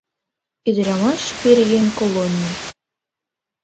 Ӱдырамаш-пӧръеҥ колоний.